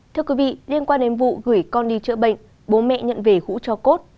thưa quý vị liên quan đến vụ gửi con đi chữa bệnh bố mẹ nhận về hũ cho cốt